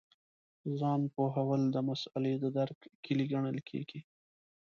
ځان پوهول د مسألې د درک کیلي ګڼل کېږي.